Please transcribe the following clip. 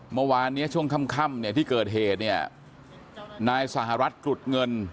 เมื่อวานเนี้ยช่วงค่ำเนี่ยที่เกิดเหตุเนี่ยนายสหรัฐกรุดเงิน